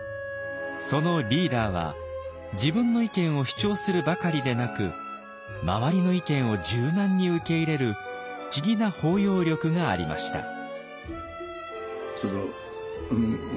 そのリーダーは自分の意見を主張するばかりでなく周りの意見を柔軟に受け入れる不思議な包容力がありました。